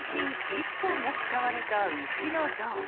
１トンが使われた牛の像。